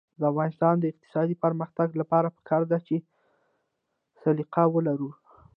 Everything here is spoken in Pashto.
د افغانستان د اقتصادي پرمختګ لپاره پکار ده چې سلیقه ولرو.